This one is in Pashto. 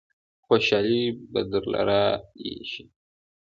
خوشالۍ به درله رايشي.